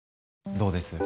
どうです？